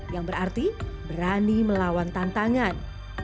yang berarti berani melawan tantangan